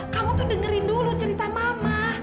kamu tuh dengerin dulu cerita mama